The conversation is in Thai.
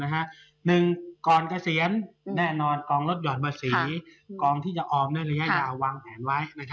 หนึ่งก่อนเกษียณแน่นอนกองลดห่อนภาษีกองที่จะออมด้วยระยะยาววางแผนไว้